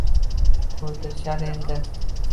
O’ldirishar endi